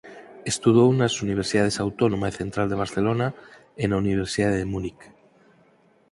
Estudou nas Universidades Autónoma e Central de Barcelona e na Universidade de Múnic.